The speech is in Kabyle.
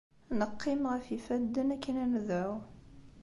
Neqqim ɣef yifadden akken ad nedɛu.